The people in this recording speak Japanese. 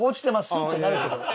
よってなるけど。